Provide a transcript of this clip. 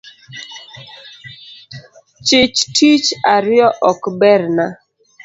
Chich tich ariyo ok berna